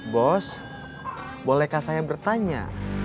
bos bolehkah saya bertanya